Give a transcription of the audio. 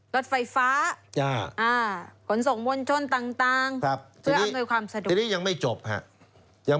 รถไฟฟ้าผลส่งวนชนต่างเพื่ออำนวยความสะดุ